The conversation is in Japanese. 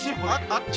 あっち？